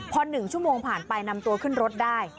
พอ๑ชั่วโมงผ่านไปนำตัวขึ้นรถได้